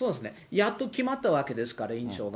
やっと決まったわけですから、議長が。